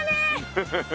フフフ。